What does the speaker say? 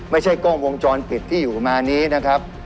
ไม่ใช่กล้องวงจรปิดที่อยู่มานี้นะครับ